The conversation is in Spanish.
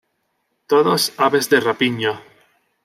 Todos, aves de rapiña.